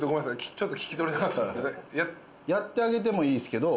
やってあげてもいいけど。